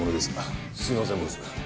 すいませんボス。